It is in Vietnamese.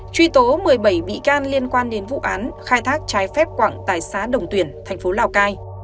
truy tố một mươi bảy bị can liên quan đến vụ án khai thác trái phép quảng tài xá đồng tuyển thành phố lào cai